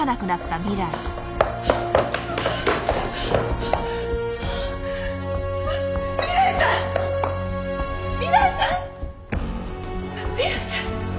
未来ちゃん。